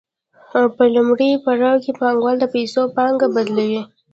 په لومړي پړاو کې پانګوال د پیسو پانګه بدلوي